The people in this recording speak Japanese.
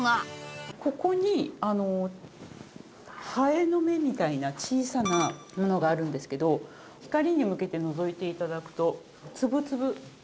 ここにハエの目みたいな小さなものがあるんですけど光に向けてのぞいて頂くと粒々。